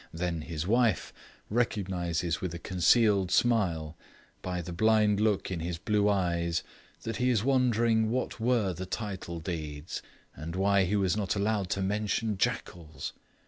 Then his wife recognizes with a concealed smile, by the blind look in his blue eyes, that he is wondering what were the title deeds, and why he was not allowed to mention jackals.